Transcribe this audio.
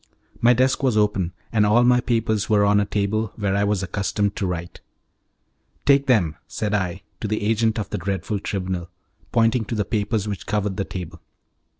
My desk was open, and all my papers were on a table where I was accustomed to write. "Take them," said I, to the agent of the dreadful Tribunal, pointing to the papers which covered the table.